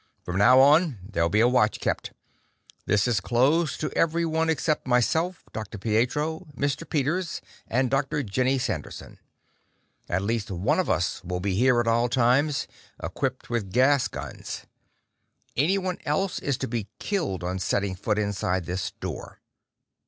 "From now on, there'll be a watch kept. This is closed to everyone except myself, Dr. Pietro, Mr. Peters, and Dr. Jenny Sanderson. At least one of us will be here at all times, equipped with gas guns. Anyone else is to be killed on setting foot inside this door!"